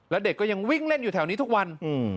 แล้วเด็กก็ยังวิ่งเล่นอยู่แถวนี้ทุกวัน